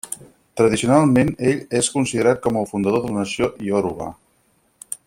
Tradicionalment ell és considerat com el fundador de la nació ioruba.